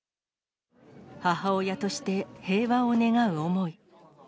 母親として平和を願う思い。